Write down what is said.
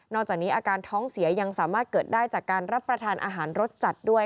จากนี้อาการท้องเสียยังสามารถเกิดได้จากการรับประทานอาหารรสจัดด้วย